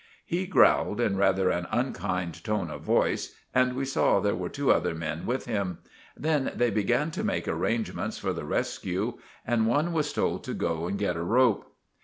He growled in rather an unkind tone of voice, and we saw there were two other men with him. Then they began to make arrangements for the resque and one was told to go and get a rope.